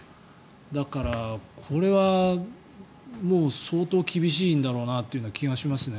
だから、これは相当厳しいんだろうなという気がしますね。